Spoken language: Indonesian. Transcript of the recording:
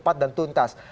cepat dan tuntas